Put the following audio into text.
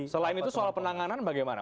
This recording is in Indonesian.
selain itu soal penanganan bagaimana